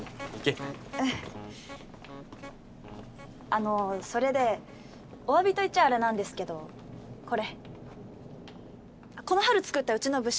あのそれでおわびと言っちゃあれなんですけどこれこの春作ったうちの部